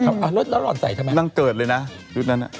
แล้วหล่อนใส่ทำไมนางเกิดเลยนะยุคนั้น